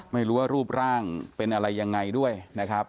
ไม่รู้ว่ารูปร่างเป็นอะไรยังไงด้วยนะครับ